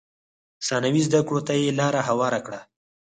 ثانوي زده کړو ته یې لار هواره کړه.